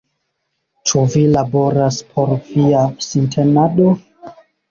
Ĉu vi laboras por via sintenado?